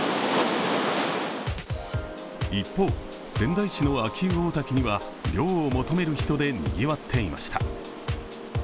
一方、仙台市の秋保大滝には涼を求める人でにぎわっていました。